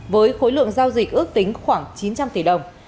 với khối lượng giao dịch ước tính khoảng chín trăm linh tỷ đồng